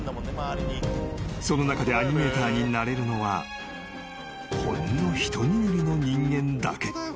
［その中でアニメーターになれるのはほんの一握りの人間だけ］